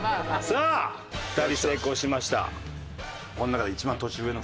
さあ２人成功しました。